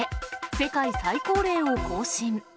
世界最高齢を更新。